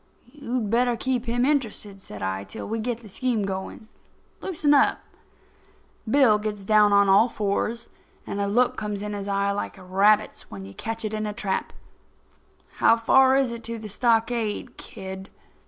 "You'd better keep him interested," said I, "till we get the scheme going. Loosen up." Bill gets down on his all fours, and a look comes in his eye like a rabbit's when you catch it in a trap. "How far is it to the stockade, kid?"